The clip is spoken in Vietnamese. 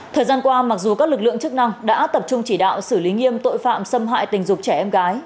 thời gian qua mặc dù các lực lượng chức năng đã tập trung chỉ đạo xử lý nghiêm tội phạm xâm hại tình dục trẻ em gái